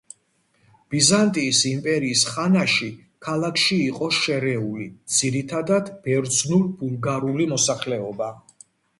ბიზანტიის იმპერიის ხანაში ქალაქში იყო შერეული, ძირითადად, ბერძნულ–ბულგარული მოსახლეობა.